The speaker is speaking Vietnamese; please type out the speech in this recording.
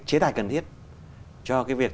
chế tài cần thiết cho cái việc